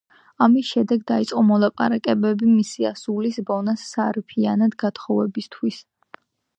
ამის შემდეგ დაიწყო მოლაპარაკებები მისი ასულის, ბონას სარფიანად გათხოვებისთვის.